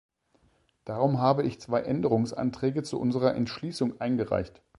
Darum habe ich zwei Änderungsanträge zu unserer Entschließung eingereicht.